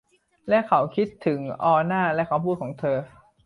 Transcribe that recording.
และเขาคิดถึง ออน่าและคำพูดของเธอ